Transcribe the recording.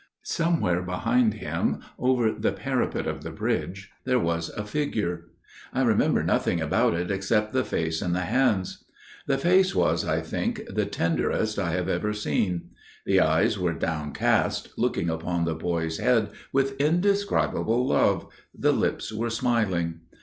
"Somewhere behind him over the parapet of the bridge there was a figure. I remember nothing about it except the face and the hands. The face was, I think, the tenderest I have ever seen. The eyes were downcast, looking upon the boy's head with indescribable love, the lips were smiling.